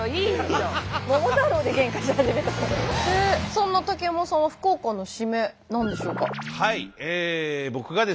そんな竹山さんは福岡の締め何でしょうか？